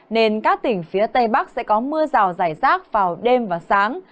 nên các tỉnh phía tây bắc sẽ có mưa rào rải rác vào đêm và sáng